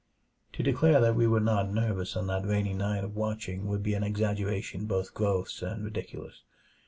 To declare that we were not nervous on that rainy night of watching would be an exaggeration both gross and ridiculous.